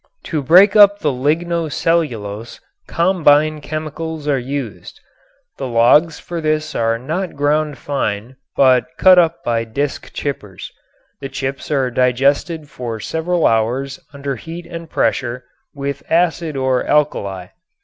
To break up the ligno cellulose combine chemicals are used. The logs for this are not ground fine, but cut up by disk chippers. The chips are digested for several hours under heat and pressure with acid or alkali.